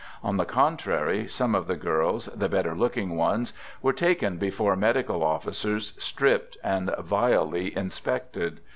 On the contrary, some of the girls, the better looking ones, were taken before medical officers, stripped and vilely inspected.